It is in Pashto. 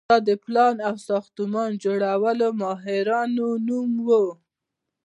دا د پلان او ساختمان جوړولو ماهرانو نوم و.